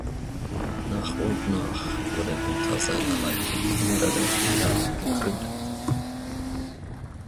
Nach und nach wurden unter seiner Leitung mehrere Filialen gegründet.